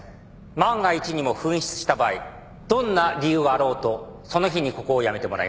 万が一にも紛失した場合どんな理由があろうとその日にここを辞めてもらいます。